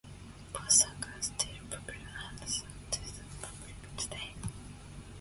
Both songs are still popular and sung to the public today.